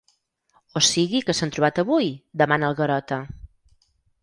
O sigui que s'han trobat avui? —demana el Garota.